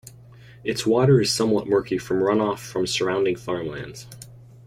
Its water is somewhat murky from runoff from surrounding farmlands.